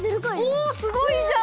おっすごいじゃん！